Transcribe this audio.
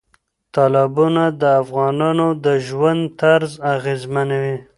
تالابونه د افغانانو د ژوند طرز اغېزمنوي.